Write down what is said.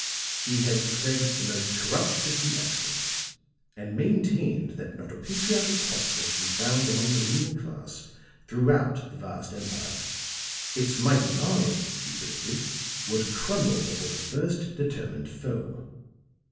He has declared it the most corrupt system extant, and maintained that not a patriotic pulse was to be found among the ruling class throughout the vast empire. Its mighty army, he predicted, would crumble before the first determined foe.